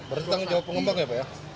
bertanggung jawab pengembang ya pak ya